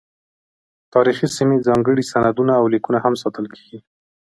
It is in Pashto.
تاریخي سیمې، ځانګړي سندونه او لیکونه هم ساتل کیږي.